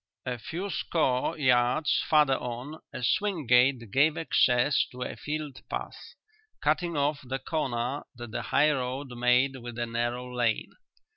A few score yards farther on a swing gate gave access to a field path, cutting off the corner that the high road made with the narrow lane.